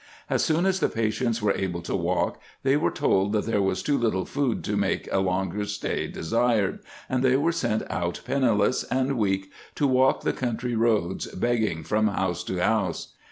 As soon as the patients were able to walk they were told that there was too little food to make a longer stay desired, and they were sent out penniless and weak to walk the country roads, begging from house to house.